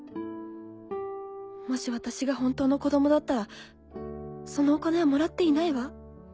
もし私が本当の子供だったらそのお金はもらっていないわ。